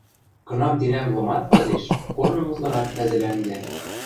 Кынам-тинӓм лымат вазеш, корным утларак тӓзӹлянгдӓ.